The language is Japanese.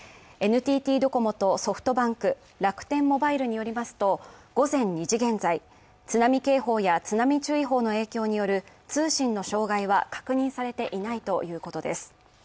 ＮＴＴドコモとソフトバンク、楽天モバイルによりますと、午前２時現在津波警報や津波注意報の影響による通信の障害は確認されていないということです。